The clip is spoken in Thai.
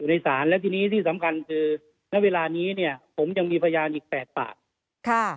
ในศาลและทีนี้ที่สำคัญคือณเวลานี้เนี่ยผมยังมีพยานอีก๘ปากค่ะ